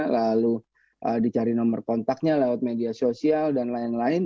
lalu dicari nomor kontaknya lewat media sosial dan lain lain